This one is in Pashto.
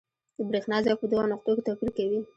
د برېښنا ځواک په دوو نقطو کې توپیر کوي.